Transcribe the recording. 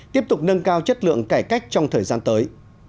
tiếp tục nâng cao chất lượng cải cách trong thời gian tới